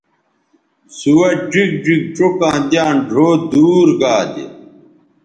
سوہ ڙیگ ڙیگ چوکاں دیان ڙھؤ دور گا دے